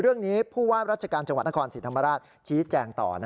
เรื่องนี้ผู้ว่ารัชกาลจังหวัดหน้าขวานศิรษ์ธรรมดาลาศชี้แจงต่อ